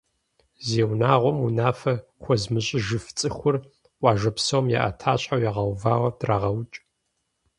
Зи унагъуэм унафэ хуэзымыщӏыжыф цӏыхур къуажэ псом я ӏэтащхьэу ягъэувауэ драгъэукӏ!